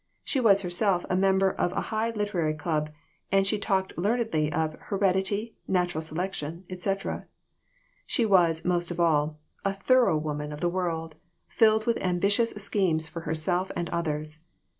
She was herself a member of a high literary club, and she talked learnedly of "heredity," "natural selection," etc. She was, most of all, a thorough woman of the world, filled with ambi tious schemes for herself and others.